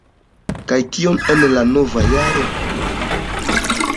Kaj kion en la nova jaro?